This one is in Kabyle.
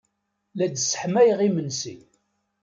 La d-sseḥmayeɣ imensi.